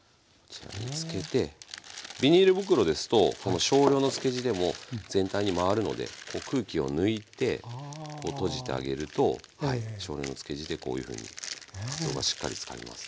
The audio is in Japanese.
ビニール袋ですとこの少量の漬け地でも全体に回るので空気を抜いてこう閉じてあげると少量の漬け地でこういうふうにかつおがしっかり漬かりますね。